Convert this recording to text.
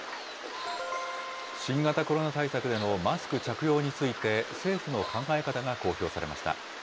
新型コロナ対策でのマスク着用について、政府の考え方が公表されました。